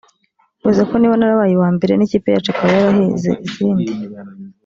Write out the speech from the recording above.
bivuze ko niba narabaye uwa mbere n’ikipe yacu ikaba yarahize izindi